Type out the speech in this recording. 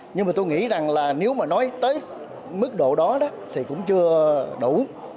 nhưng mà tôi nghĩ rằng là nếu mà nói tới mức độ đó thì cũng chưa đủ